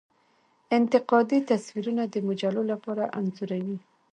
انتقادي تصویرونه د مجلو لپاره انځوروي.